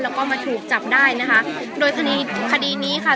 แล้วก็มาถูกจับได้นะคะโดยคดีคดีนี้ค่ะ